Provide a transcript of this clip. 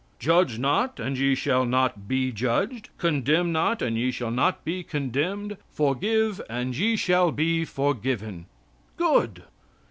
"Judge not, and ye shall not be judged. Condemn not, and ye shall not be condemned; forgive and ye shall be forgiven." Good!